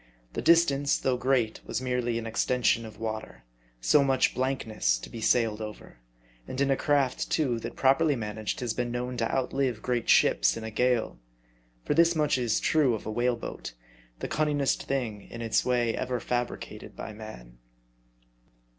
The dis tance, though great, was merely an extension of water ; so much biankness to be sailed over ; and in a craft, too, that properly managed has been known to outlive great ships in a gale. For this much is true of a whale boat, the cun ningest thing in its way ever fabricated by man.